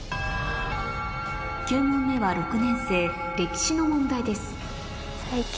９問目は６年生歴史の問題です